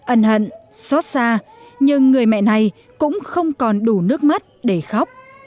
ân hận xót xa nhưng người mẹ này cũng không còn đủ nước mắt để khóc